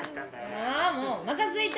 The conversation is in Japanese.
あもうおなかすいた！